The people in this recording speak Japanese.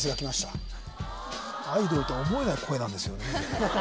アイドルとは思えない声なんですよね